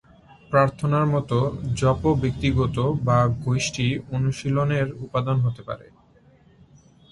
প্রার্থনার মতো, জপ ব্যক্তিগত বা গোষ্ঠী অনুশীলনের উপাদান হতে পারে।